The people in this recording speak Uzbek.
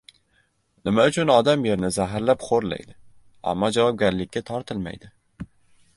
Nima uchun odam yerni zaharlab xo‘rlaydi—ammo javobgarlikka tortilmaydi?